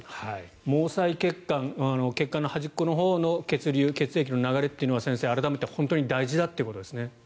毛細血管血管の端っこのほうの血流、血液の流れというのは先生、改めて本当に大事だということですね。